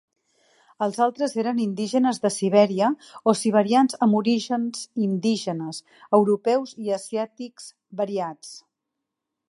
Els altres eren indígenes de Sibèria o siberians amb orígens indígenes, europeus i asiàtics variats.